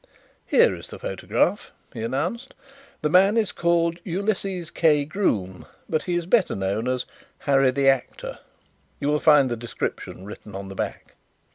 "Here is the photograph," he announced. "The man is called Ulysses K. Groom, but he is better known as 'Harry the Actor.' You will find the description written on the back."